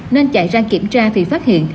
nên chạy ra kiểm tra thì phát hiện